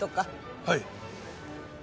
はい。